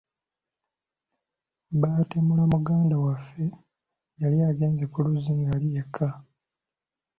Baatemula muganda waffe yali agenze ku luzzi ng’ali yekka.